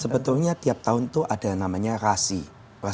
sebetulnya tiap tahun itu ada namanya rasi